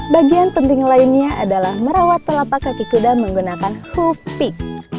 bagian penting lainnya adalah merawat telapak kaki kuda menggunakan full peak